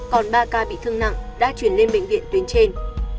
còn ba ca bị thương nặng đã chuyển lên bệnh viện tuyến trên